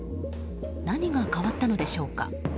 何が変わったのでしょうか。